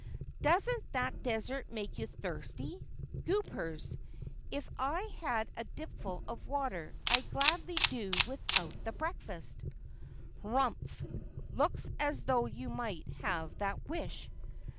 "Doesn't that desert make you thirsty? Goopers, if I had a dipperful of water I'd gladly do without the breakfast." "Humph! looks as if you might have that wish."